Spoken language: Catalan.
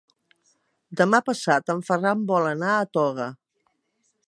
Demà passat en Ferran vol anar a Toga.